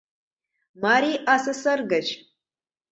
— Марий АССР гыч.